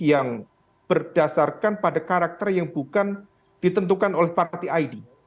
yang berdasarkan pada karakter yang bukan ditentukan oleh party id